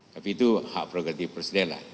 tapi itu hak prerogatif presiden lah